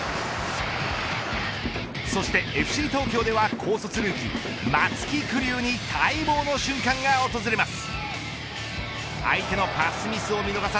そしてＦＣ東京では高卒ルーキー、松木玖生に待望の瞬間が訪れます。